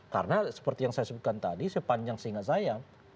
karena seperti yang saya sebutkan tadi sepanjang sehingga saya